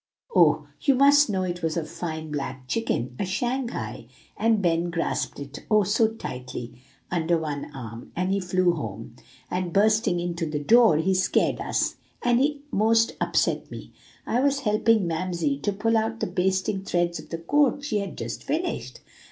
"Oh! you must know it was a fine black chicken, a Shanghai; and Ben grasped it, oh, so tightly! under one arm, and he flew home, and bursting into the door, he scared us, and he most upset me, I was helping Mamsie to pull out the basting threads of the coat she had just finished.